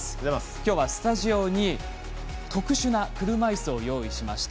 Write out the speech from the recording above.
きょうはスタジオに特殊な車いすをご用意しました。